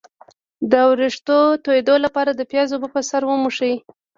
د ویښتو تویدو لپاره د پیاز اوبه په سر ومښئ